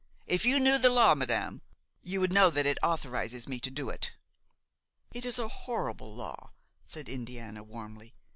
If you knew the law, madame, you would know that it authorizes me to do it." "It is a horrible law," said Indiana, warmly.